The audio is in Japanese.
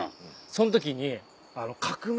その時に。